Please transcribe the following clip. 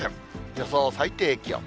予想最低気温。